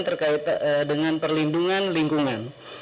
terkait dengan perlindungan lingkungan